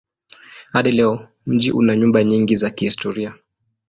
Hadi leo mji una nyumba nyingi za kihistoria.